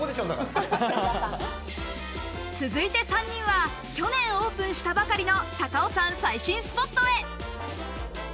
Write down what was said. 続いて３人は去年オープンしたばかりの高尾山最新スポットへ。